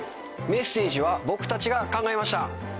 メッセージは僕たちが考えました。